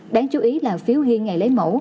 đáng chú ý là phiếu ghi ngày lấy mẫu